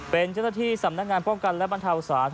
เป็นเจ้าหน้าที่สำนักงานป้องกันและบรรเทาสาธารณ